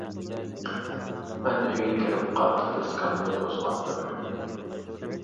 مەن ئۆيگە كىرىپ، قاتتىق دىسكامنى قوزغاتتىم.